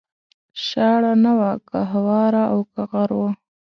شاړه نه وه که هواره او که غر و